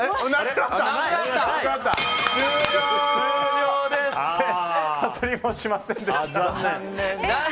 かすりもしませんでした。